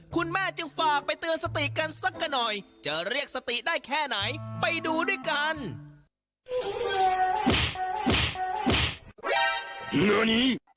คุณแม่จึงฝากไปเตือนสติกันสักกันหน่อยจะเรียกสติได้แค่ไหนไปดูด้วยกัน